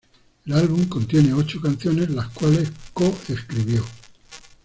El álbum contiene ocho canciones, las cuales co-escribió.